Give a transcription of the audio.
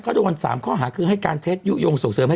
ก็ตรงวัน๓ข้อหาคือให้การเจ็ดยุโยงก์ส่วนเสือม